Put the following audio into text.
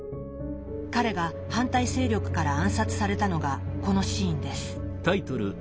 彼が反対勢力から暗殺されたのがこのシーンです。